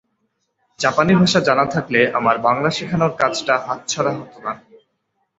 জাপানি ভাষা জানা থাকলে আমার বাংলা শেখানোর কাজটা হাতছাড়া হতো না।